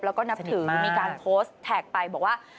แล้วก็นับถือมีการโพสต์แท็กไปบอกว่า